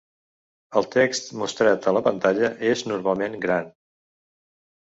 El text mostrat a la pantalla és normalment gran.